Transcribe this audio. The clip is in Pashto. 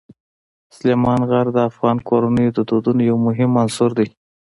سلیمان غر د افغان کورنیو د دودونو یو مهم عنصر دی.